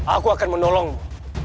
aku akan menolongmu